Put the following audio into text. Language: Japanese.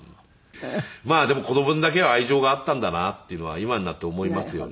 まあでも子供にだけは愛情があったんだなっていうのは今になって思いますよね。